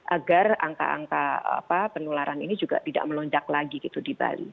agar angka angka penularan ini juga tidak melonjak lagi gitu di bali